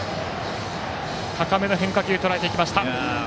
高めの変化球をとらえていきました。